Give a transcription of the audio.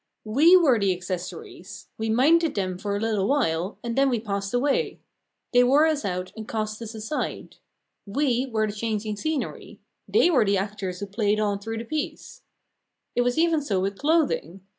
We were the accessories; we minded them for a little while, and then we passed away. They wore us out and cast us aside. We were the changing scenery; they were the actors who played on through the piece. It was even so with clothing.